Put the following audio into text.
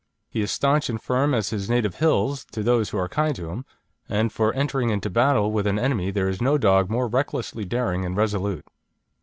He is staunch and firm as his native hills to those who are kind to him, and for entering into battle with an enemy there is no dog more recklessly daring and resolute.